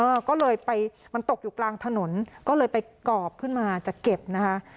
เออก็เลยไปมันตกอยู่กลางถนนก็เลยไปกรอบขึ้นมาจะเก็บนะคะ